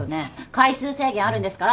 回数制限あるんですから！